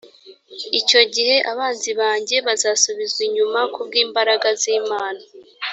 icyo gihe abanzi banjye bazasubizwa inyuma ku bw’imbraga z’imana